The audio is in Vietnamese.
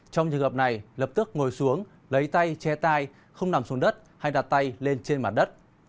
trong trường hợp này lập tức ngồi xuống lấy tay che tay không nằm xuống đất hay đặt tay lên trên mặt đất